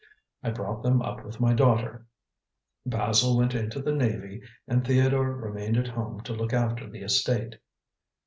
I brought them up with my daughter. Basil went into the Navy and Theodore remained at home to look after the estate."